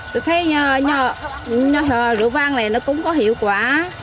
tôi thấy nhỏ rượu vang này nó cũng có hiệu quả